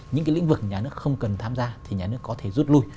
những cái lĩnh vực nhà nước không cần tham gia thì nhà nước có thể rút lui